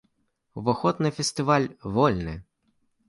Уваход на фестываль вольны!